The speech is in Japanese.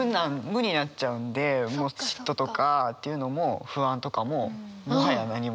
無になっちゃうんで嫉妬とかっていうのも不安とかももはや何もなくなる。